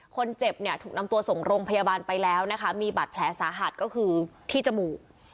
คนเจ็บเนี่ยถูกนำตัวส่งโรงพยาบาลไปแล้วนะคะมีบาดแผลสาหัสก็คือที่จมูก